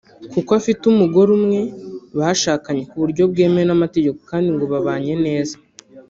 kuko afite umugore umwe bashakanye ku buryo bwemewe n’amategeko kandi ngo babanye neza